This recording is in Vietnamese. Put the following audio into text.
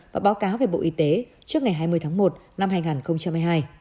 và báo cáo về bộ y tế trước ngày hai mươi tháng một năm hai nghìn hai mươi hai